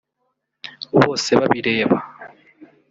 Bosebabireba